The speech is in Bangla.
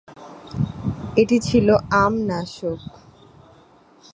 এটি ছিল আম-নাশক।